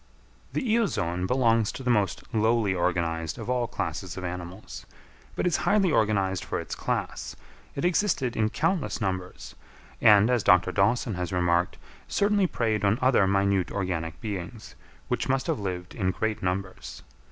The Eozoon belongs to the most lowly organised of all classes of animals, but is highly organised for its class; it existed in countless numbers, and, as Dr. Dawson has remarked, certainly preyed on other minute organic beings, which must have lived in great numbers.